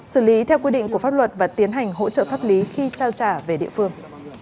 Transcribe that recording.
xử lý theo quy định của pháp luật và tiến hành hỗ trợ pháp lý khi trao trả về địa phương